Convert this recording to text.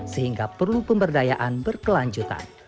sehingga perlu pemberdayaan berkelanjutan